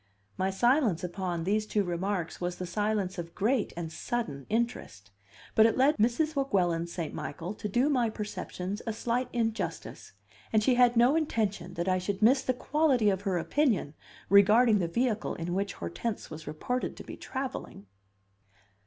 My silence upon these two remarks was the silence of great and sudden interest; but it led Mrs. Weguelin St. Michael to do my perceptions a slight injustice, and she had no intention that I should miss the quality of her opinion regarding the vehicle in which Hortense was reported to be travelling.